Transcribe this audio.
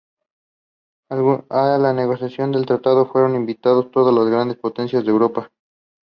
Twenty candidates were presented.